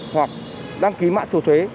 hoặc đăng ký mạng sổ thuế